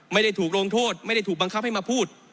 ไม่ได้ถูกลงโทษไม่ได้ถูกบังคับให้มาพูด